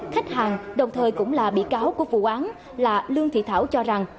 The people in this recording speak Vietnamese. khách hàng đồng thời cũng là bị cáo của vụ án là lương thị thảo cho rằng